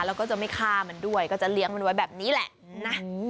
แล้วก็จะไม่ฆ่ามันด้วยก็จะเลี้ยงมันไว้แบบนี้แหละนะ